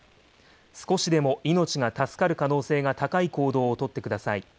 少しでも命が助かる可能性が高い行動を取ってください。